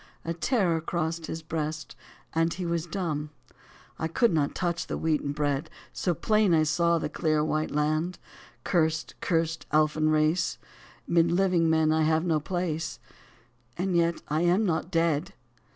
A terror crost His breast, and he was dumb. I could not touch the wheaten bread, So plain I saw the clear, white land. cursed, cursed elfin race. Mid living men I have no place, And yet I am not dead.